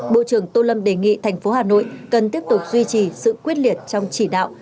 bộ trưởng tô lâm đề nghị thành phố hà nội cần tiếp tục duy trì sự quyết liệt trong chỉ đạo